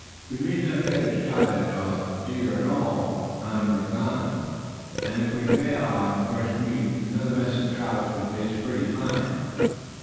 We may not get a shot at a deer all the time we're gone; and if we fail on fresh meat, another mess of trout would taste pretty fine."